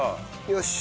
よし。